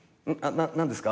何ですか？